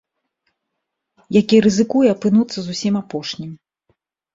Які рызыкуе апынуцца зусім апошнім.